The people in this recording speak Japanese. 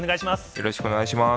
よろしくお願いします。